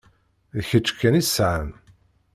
D kečč kan i sɛan.